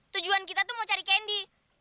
tujuan kita tuh mau cari candy